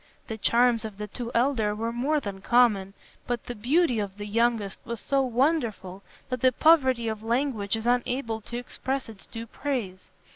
The charms of the two elder were more than common, but the beauty of the youngest was so wonderful that the poverty of language is unable to express its due praise.